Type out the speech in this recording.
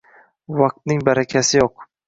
“Vaqtning barakasi yo‘q.